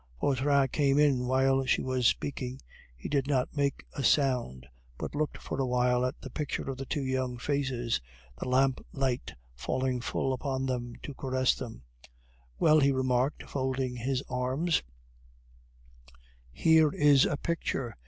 Vautrin came in while she was speaking; he did not make a sound, but looked for a while at the picture of the two young faces the lamplight falling full upon them seemed to caress them. "Well," he remarked, folding his arms, "here is a picture!